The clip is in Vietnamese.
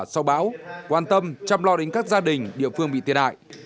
sau bão quan tâm chăm lo đến các gia đình địa phương bị thiệt hại